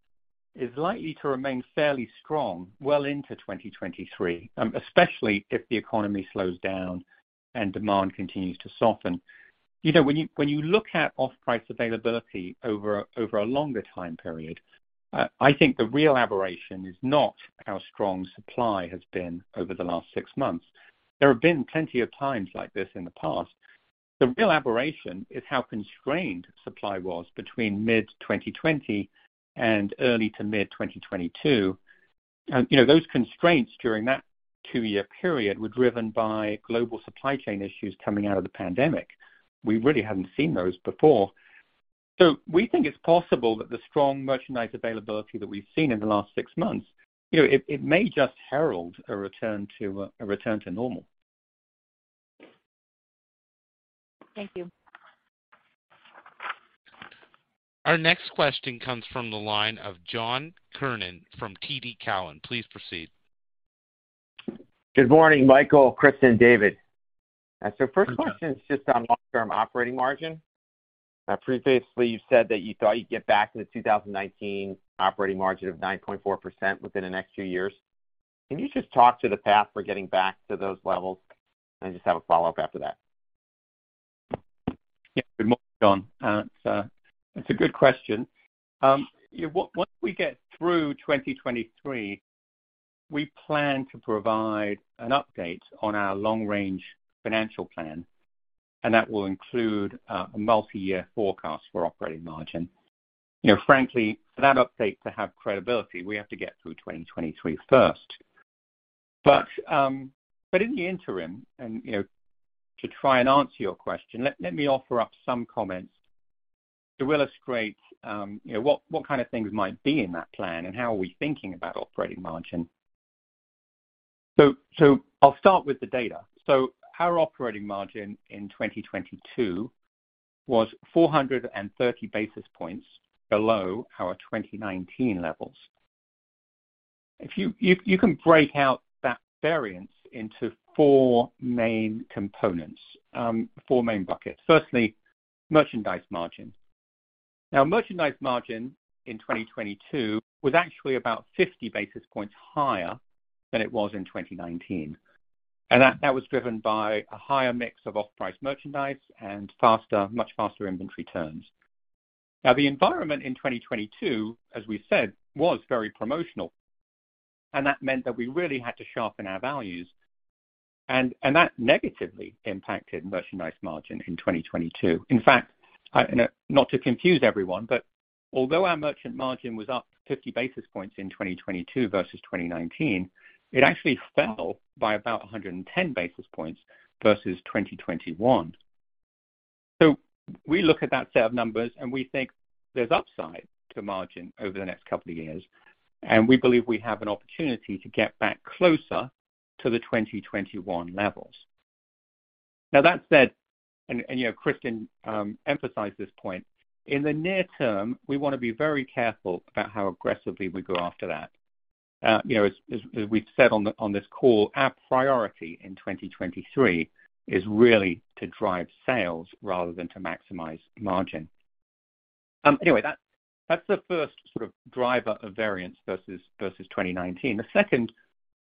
is likely to remain fairly strong well into 2023, especially if the economy slows down and demand continues to soften. You know, when you look at off-price availability over a longer time period, I think the real aberration is not how strong supply has been over the last six months. There have been plenty of times like this in the past. The real aberration is how constrained supply was between mid-2020 and early to mid-2022. You know, those constraints during that two year period were driven by global supply chain issues coming out of the pandemic. We really hadn't seen those before. We think it's possible that the strong merchandise availability that we've seen in the last six months, you know, it may just herald a return to normal. Thank you. Our next question comes from the line of John Kernan from TD Cowen. Please proceed. Good morning, Michael, Kristin, David. First question is just on long-term operating margin. Now, previously, you said that you thought you'd get back to the 2019 operating margin of 9.4% within the next few years. Can you just talk to the path for getting back to those levels? I just have a follow-up after that. Good morning, John. It's a good question. You know, once we get through 2023, we plan to provide an update on our long-range financial plan, and that will include a multi-year forecast for operating margin. You know, frankly, for that update to have credibility, we have to get through 2023 first. In the interim and, you know, to try and answer your question, let me offer up some comments to illustrate, you know, what kind of things might be in that plan and how are we thinking about operating margin. I'll start with the data. Our operating margin in 2022 was 430 basis points below our 2019 levels. You can break out that variance into four main components, four main buckets. Firstly, merchandise margin. Merchandise margin in 2022 was actually about 50 basis points higher than it was in 2019, and that was driven by a higher mix of off-price merchandise and much faster inventory turns. The environment in 2022, as we said, was very promotional, and that meant that we really had to sharpen our values, and that negatively impacted merchandise margin in 2022. In fact, you know, not to confuse everyone, but although our merchandise margin was up 50 basis points in 2022 versus 2019, it actually fell by about 110 basis points versus 2021. We look at that set of numbers, and we think there's upside to margin over the next couple of years, and we believe we have an opportunity to get back closer to the 2021 levels. That said, and, you know, Kristin, emphasized this point, in the near term, we want to be very careful about how aggressively we go after that. You know, as we've said on this call, our priority in 2023 is really to drive sales rather than to maximize margin. That's the first sort of driver of variance versus 2019. The second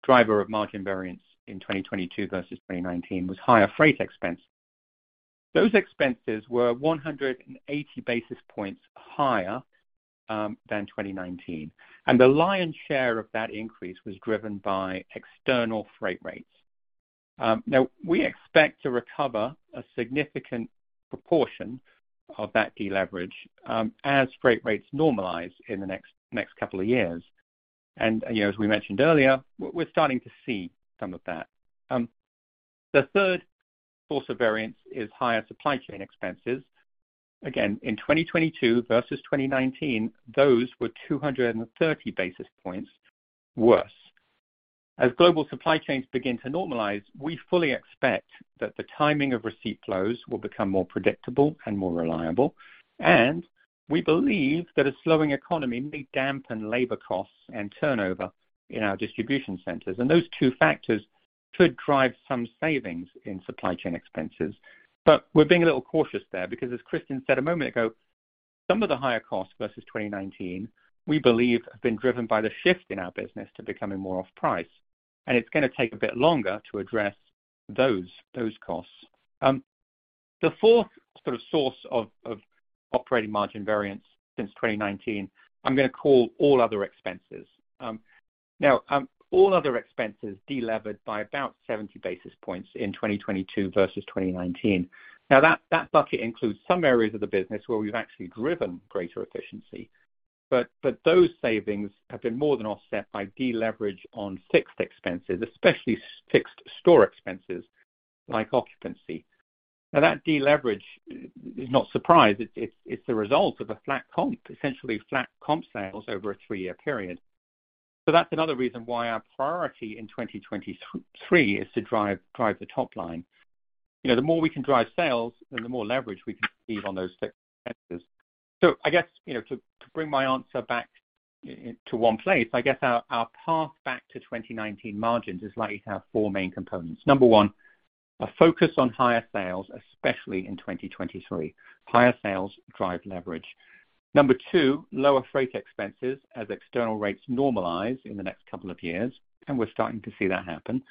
driver of margin variance in 2022 versus 2019 was higher freight expense. Those expenses were 180 basis points higher than 2019, and the lion's share of that increase was driven by external freight rates. Now we expect to recover a significant proportion of that deleverage, as freight rates normalize in the next couple of years. You know, as we mentioned earlier, we're starting to see some of that. The third source of variance is higher supply chain expenses. Again, in 2022 versus 2019, those were 230 basis points worse. As global supply chains begin to normalize, we fully expect that the timing of receipt flows will become more predictable and more reliable. We believe that a slowing economy may dampen labor costs and turnover in our distribution centers. Those two factors could drive some savings in supply chain expenses. We're being a little cautious there because as Kristin said a moment ago, some of the higher costs versus 2019, we believe, have been driven by the shift in our business to becoming more off-price, and it's gonna take a bit longer to address those costs. The fourth sort of source of operating margin variance since 2019, I'm gonna call all other expenses. Now, all other expenses delevered by about 70 basis points in 2022 versus 2019. That bucket includes some areas of the business where we've actually driven greater efficiency. But those savings have been more than offset by deleverage on fixed expenses, especially fixed store expenses like occupancy. That deleverage is not a surprise. It's the result of a flat comp, essentially flat comp sales over a three year period. That's another reason why our priority in 2023 is to drive the top line. You know, the more we can drive sales, the more leverage we can achieve on those fixed expenses. I guess, you know, to bring my answer back to one place, I guess our path back to 2019 margins is likely to have four main components. Number one, a focus on higher sales, especially in 2023. Higher sales drive leverage. Number two, lower freight expenses as external rates normalize in the next couple of years, and we're starting to see that happen.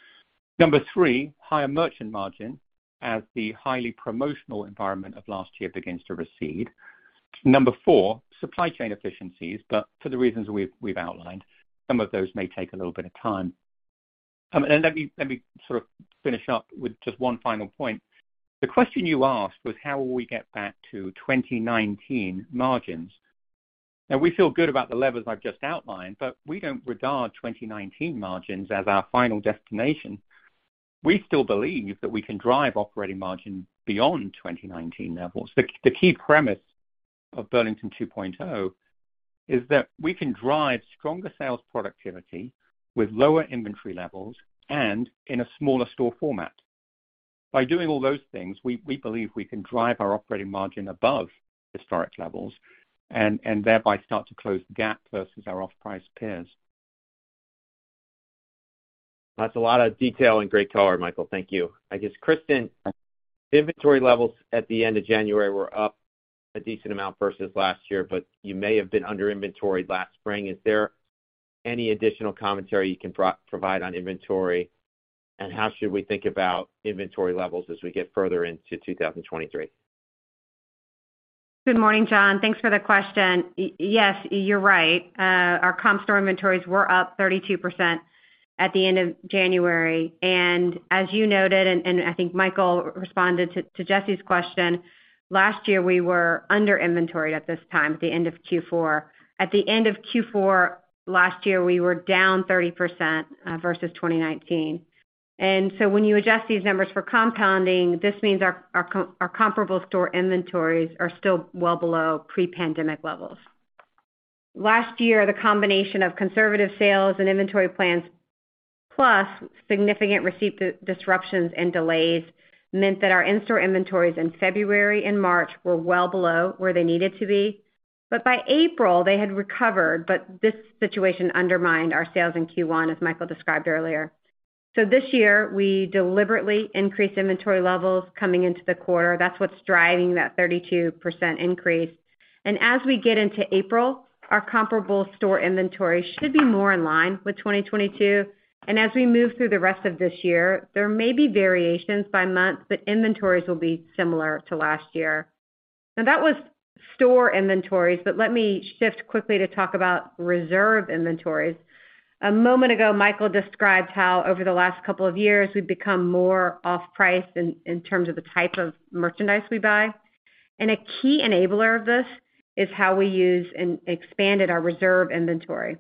Number three, higher merchandise margin as the highly promotional environment of last year begins to recede. Number four, supply chain efficiencies, but for the reasons we've outlined, some of those may take a little bit of time. Let me sort of finish up with just one final point. The question you asked was how will we get back to 2019 margins. Now we feel good about the levers I've just outlined, but we don't regard 2019 margins as our final destination. We still believe that we can drive operating margin beyond 2019 levels. The key premise of Burlington 2.0 is that we can drive stronger sales productivity with lower inventory levels and in a smaller store format. By doing all those things, we believe we can drive our operating margin above historic levels and thereby start to close the gap versus our off-price peers. That's a lot of detail and great color, Michael. Thank you. Kristin, inventory levels at the end of January were up a decent amount versus last year, but you may have been under inventoried last spring. Is there any additional commentary you can provide on inventory, and how should we think about inventory levels as we get further into 2023? Good morning, John. Thanks for the question. Yes, you're right. Our comp store inventories were up 32% at the end of January. As you noted, and I think Michael responded to Jesse's question, last year we were under inventoried at this time, at the end of Q4. At the end of Q4 last year, we were down 30% versus 2019. When you adjust these numbers for compounding, this means our comparable store inventories are still well below pre-pandemic levels. Last year, the combination of conservative sales and inventory plans, plus significant receipt disruptions and delays, meant that our in-store inventories in February and March were well below where they needed to be. By April, they had recovered, this situation undermined our sales in Q1, as Michael described earlier. This year, we deliberately increased inventory levels coming into the quarter. That's what's driving that 32% increase. As we get into April, our comparable store inventory should be more in line with 2022. As we move through the rest of this year, there may be variations by month, but inventories will be similar to last year. That was store inventories, but let me shift quickly to talk about reserve inventories. A moment ago, Michael described how over the last couple of years, we've become more off-price in terms of the type of merchandise we buy. A key enabler of this is how we use and expanded our reserve inventory.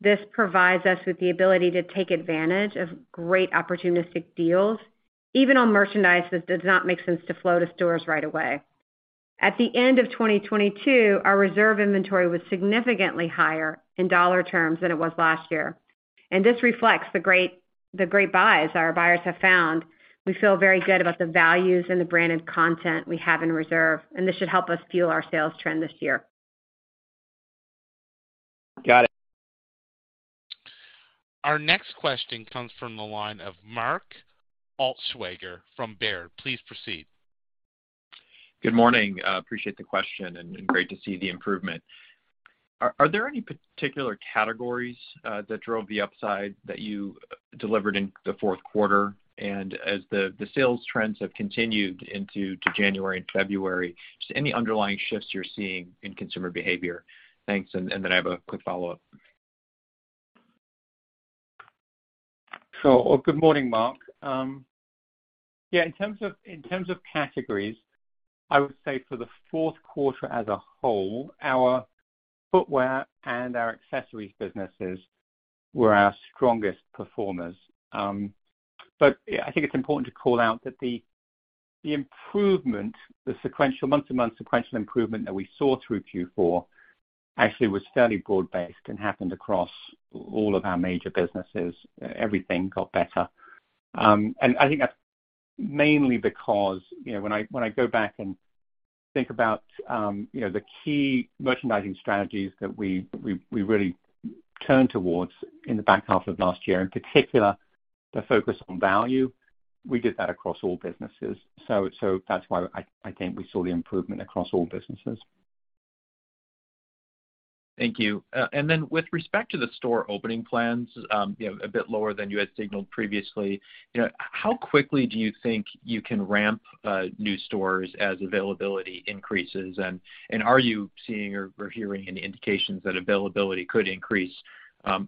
This provides us with the ability to take advantage of great opportunistic deals, even on merchandise that does not make sense to flow to stores right away. At the end of 2022, our reserve inventory was significantly higher in dollar terms than it was last year. This reflects the great buys our buyers have found. We feel very good about the values and the branded content we have in reserve, and this should help us fuel our sales trend this year. Got it. Our next question comes from the line of Mark Altschwager from Baird. Please proceed. Good morning. Appreciate the question and great to see the improvement. Are there any particular categories that drove the upside that you delivered in the fourth quarter? As the sales trends have continued into January and February, just any underlying shifts you're seeing in consumer behavior? Thanks. Then I have a quick follow-up. Good morning, Mark. Yeah, in terms of, in terms of categories, I would say for the fourth quarter as a whole, our footwear and our accessories businesses were our strongest performers. I think it's important to call out that the improvement, the sequential month to month sequential improvement that we saw through Q4 actually was fairly broad-based and happened across all of our major businesses. Everything got better. I think that's mainly because, you know, when I go back and think about, you know, the key merchandising strategies that we really turned towards in the back half of last year, in particular, the focus on value, we did that across all businesses. That's why I think we saw the improvement across all businesses. Thank you. With respect to the store opening plans, you know, a bit lower than you had signaled previously, you know, how quickly do you think you can ramp new stores as availability increases? Are you seeing or hearing any indications that availability could increase,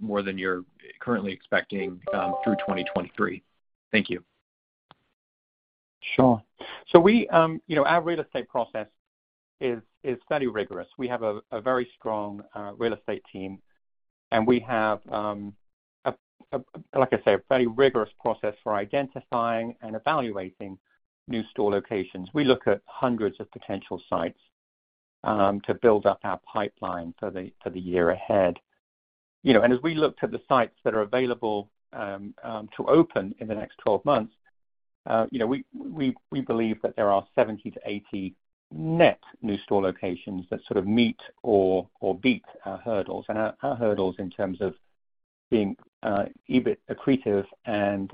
more than you're currently expecting, through 2023? Thank you. Sure. We, you know, our real estate process is fairly rigorous. We have a very strong real estate team, and we have, like I say, a very rigorous process for identifying and evaluating new store locations. We look at hundreds of potential sites to build up our pipeline for the year ahead. You know, as we looked at the sites that are available to open in the next 12 months, you know, we believe that there are 70 to 80 net new store locations that sort of meet or beat our hurdles. Our hurdles in terms of being EBIT accretive and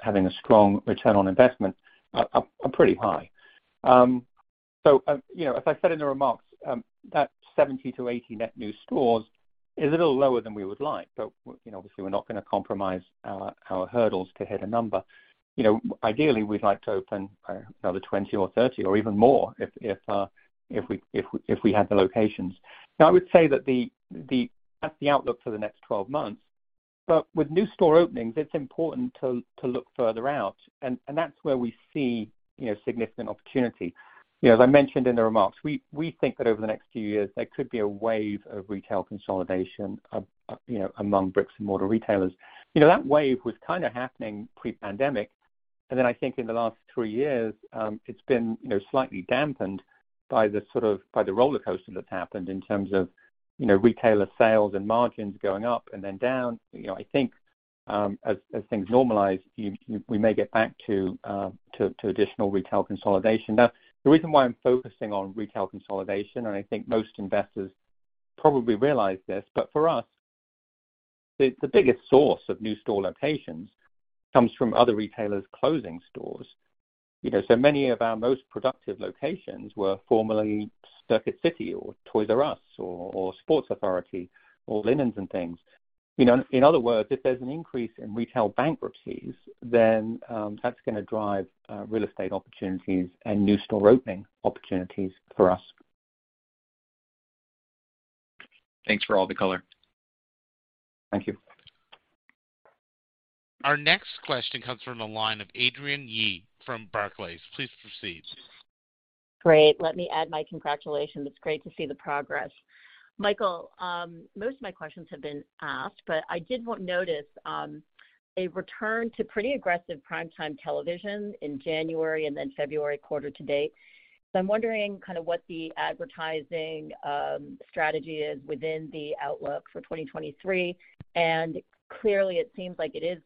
having a strong return on investment are pretty high. You know, as I said in the remarks, that 70-80 net new stores is a little lower than we would like. You know, obviously, we're not gonna compromise our hurdles to hit a number. You know, ideally, we'd like to open, you know, 20 or 30 or even more if we had the locations. Now, I would say that that's the outlook for the next 12 months. With new store openings, it's important to look further out and that's where we see, you know, significant opportunity. You know, as I mentioned in the remarks, we think that over the next few years there could be a wave of retail consolidation, you know, among bricks-and-mortar retailers. You know, that wave was kinda happening pre-pandemic, I think in the last three years, it's been, you know, slightly dampened by the roller coaster that's happened in terms of, you know, retailer sales and margins going up and then down. You know, I think, as things normalize, we may get back to additional retail consolidation. The reason why I'm focusing on retail consolidation, and I think most investors probably realize this, but for us, the biggest source of new store locations comes from other retailers closing stores. You know, so many of our most productive locations were formerly Circuit City or Toys"R"Us or Sports Authority or Linens 'n Things. You know, in other words, if there's an increase in retail bankruptcies, then, that's gonna drive real estate opportunities and new store opening opportunities for us. Thanks for all the color. Thank you. Our next question comes from the line of Adrienne Yih from Barclays. Please proceed. Great. Let me add my congratulations. It's great to see the progress. Michael, most of my questions have been asked, but I did notice a return to pretty aggressive prime time television in January and then February quarter to date. I'm wondering kinda what the advertising strategy is within the outlook for 2023. Clearly it seems like it is,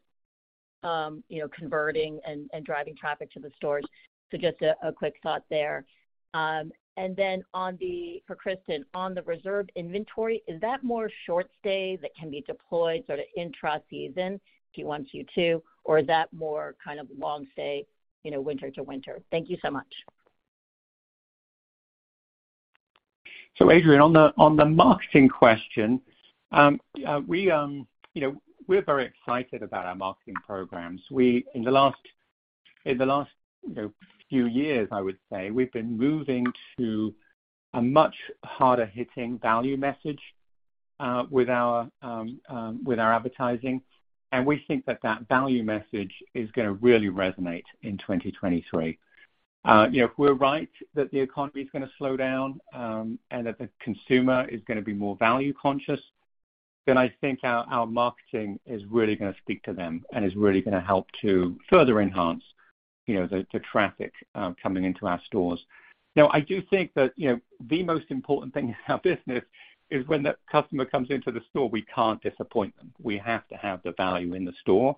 you know, converting and driving traffic to the stores. Just a quick thought there. For Kristin, on the reserve inventory, is that more short stay that can be deployed sorta intra season if you want to? Or is that more kind of long stay, you know, winter to winter? Thank you so much. Adrienne, on the, on the marketing question, you know, we're very excited about our marketing programs. We in the last, you know, few years I would say, we've been moving to a much harder hitting value message with our advertising, and we think that that value message is gonna really resonate in 2023. You know, if we're right that the economy's gonna slow down, and that the consumer is gonna be more value conscious, then I think our marketing is really gonna speak to them and is really gonna help to further enhance, you know, the traffic coming into our stores. Now, I do think that, you know, the most important thing in our business is when the customer comes into the store, we can't disappoint them. We have to have the value in the store.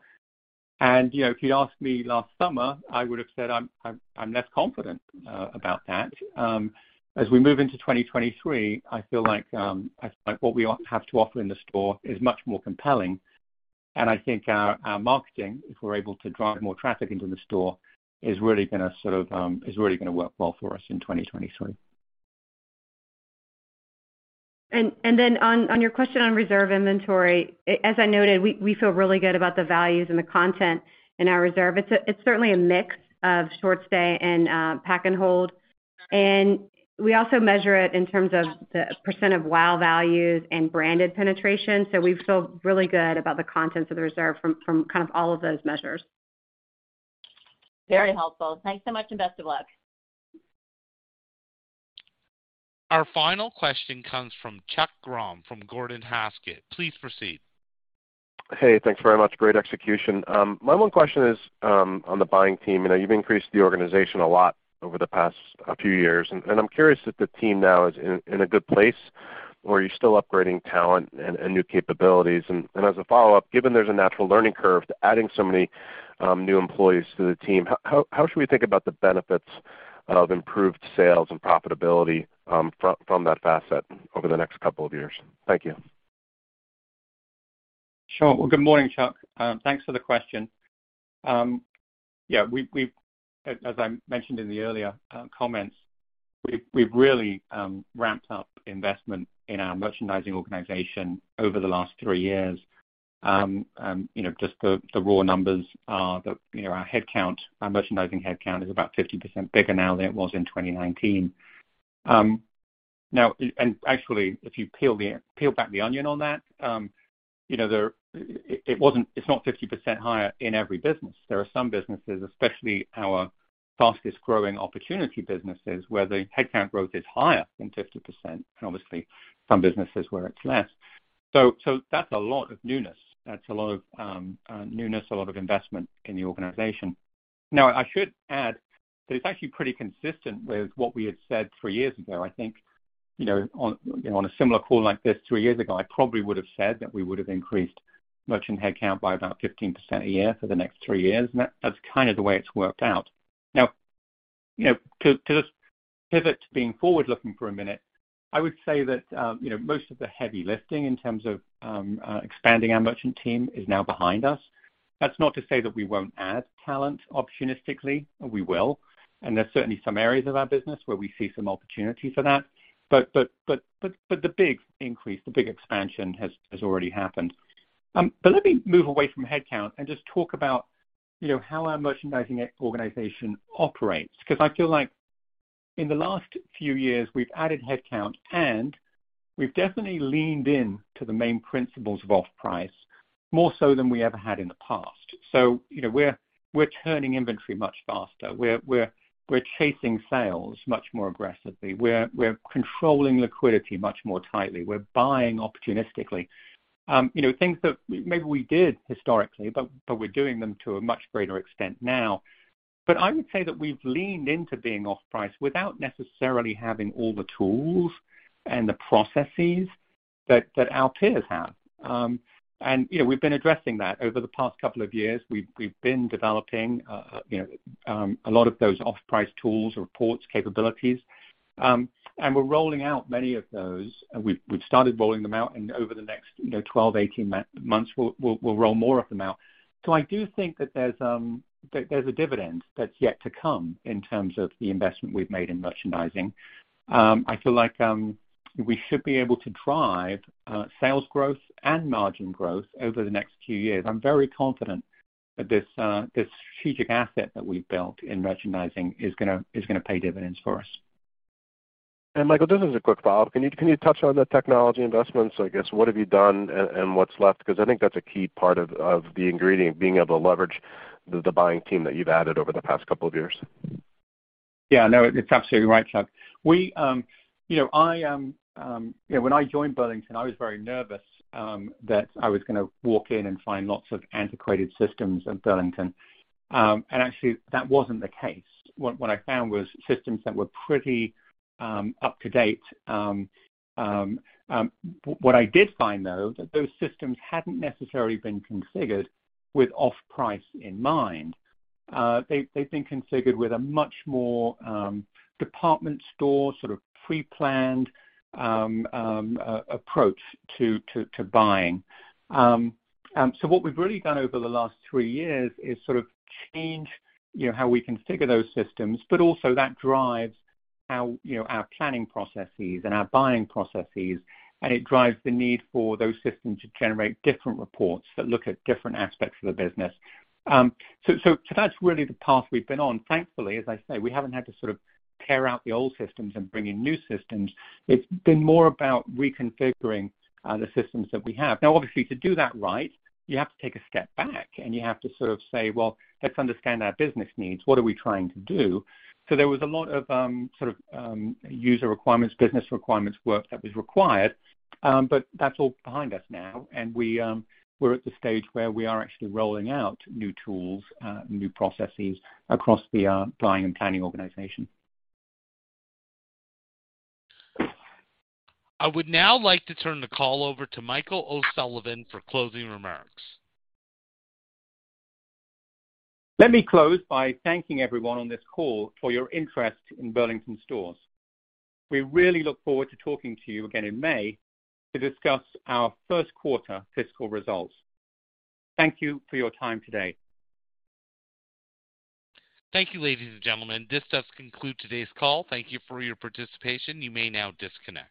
You know, if you asked me last summer, I would've said I'm less confident about that. As we move into 2023, I feel like what we have to offer in the store is much more compelling. I think our marketing, if we're able to drive more traffic into the store, is really gonna sort of, is really gonna work well for us in 2023. Then on your question on reserve inventory, as I noted, we feel really good about the values and the content in our reserve. It's certainly a mix of short stay and pack and hold. We also measure it in terms of the percent of WOW values and branded penetration. We feel really good about the contents of the reserve from kind of all of those measures. Very helpful. Thanks so much, and best of luck. Our final question comes from Chuck Grom from Gordon Haskett. Please proceed. Hey, thanks very much. Great execution. My one question is on the buying team. You know, you've increased the organization a lot over the past few years, and I'm curious if the team now is in a good place, or are you still upgrading talent and new capabilities? As a follow-up, given there's a natural learning curve to adding so many new employees to the team, how should we think about the benefits of improved sales and profitability from that facet over the next couple of years? Thank you. Sure. Well, good morning, Chuck. Thanks for the question. Yeah, as I mentioned in the earlier comments, we've really ramped up investment in our merchandising organization over the last three years. You know, just the raw numbers are, you know, our headcount, our merchandising headcount is about 50% bigger now than it was in 2019. Now, and actually, if you peel back the onion on that, you know, it's not 50% higher in every business. There are some businesses, especially our fastest-growing opportunity businesses, where the headcount growth is higher than 50%, and obviously some businesses where it's less. That's a lot of newness. That's a lot of newness, a lot of investment in the organization. Now, I should add that it's actually pretty consistent with what we had said three years ago. I think, you know, on, you know, on a similar call like this three years ago, I probably would've said that we would've increased merchant headcount by about 15% a year for the next three years, that's kinda the way it's worked out. Now, you know, to just pivot to being forward looking for a minute, I would say that, you know, most of the heavy lifting in terms of expanding our merchant team is now behind us. That's not to say that we won't add talent opportunistically. We will. There's certainly some areas of our business where we see some opportunity for that. The big increase, the big expansion has already happened. Let me move away from headcount and just talk about, you know, how our merchandising organization operates. 'Cause I feel like in the last few years, we've added headcount, and we've definitely leaned in to the main principles of off-price, more so than we ever had in the past. You know, we're turning inventory much faster. We're chasing sales much more aggressively. We're controlling liquidity much more tightly. We're buying opportunistically. You know, things that maybe we did historically, but we're doing them to a much greater extent now. I would say that we've leaned into being off-price without necessarily having all the tools and the processes that our peers have. You know, we've been addressing that. Over the past couple of years, we've been developing, you know, a lot of those off-price tools, reports, capabilities, and we're rolling out many of those. We've started rolling them out, and over the next, you know, 12, 18 months, we'll roll more of them out. I do think that there's a dividend that's yet to come in terms of the investment we've made in merchandising. I feel like we should be able to drive sales growth and margin growth over the next few years. I'm very confident that this strategic asset that we've built in merchandising is gonna pay dividends for us. Michael, this is a quick follow-up. Can you touch on the technology investments? I guess, what have you done and what's left? Because I think that's a key part of the ingredient, being able to leverage the buying team that you've added over the past couple of years. Yeah. No, it's absolutely right, Chuck. We, you know, I, you know, when I joined Burlington, I was very nervous that I was gonna walk in and find lots of antiquated systems at Burlington. Actually, that wasn't the case. What I found was systems that were pretty up to date. What I did find, though, that those systems hadn't necessarily been configured with off-price in mind. They've been configured with a much more department store, sort of pre-planned approach to buying. What we've really done over the last three years is sort of change, you know, how we configure those systems, but also that drives our, you know, our planning processes and our buying processes, and it drives the need for those systems to generate different reports that look at different aspects of the business. That's really the path we've been on. Thankfully, as I say, we haven't had to sort of tear out the old systems and bring in new systems. It's been more about reconfiguring the systems that we have. Obviously, to do that right, you have to take a step back, and you have to sort of say, "Well, let's understand our business needs. What are we trying to do?" There was a lot of, sort of, user requirements, business requirements work that was required, but that's all behind us now, and we're at the stage where we are actually rolling out new tools, new processes across the buying and planning organization. I would now like to turn the call over to Michael O'Sullivan for closing remarks. Let me close by thanking everyone on this call for your interest in Burlington Stores. We really look forward to talking to you again in May to discuss our first quarter fiscal results. Thank you for your time today. Thank you, ladies and gentlemen. This does conclude today's call. Thank you for your participation. You may now disconnect.